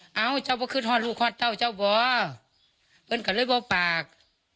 เอ้าเจ้าบอกขึ้นฮอดลูกฮอดเต้าเจ้าบอกเพื่อนกันเลยบอกปาก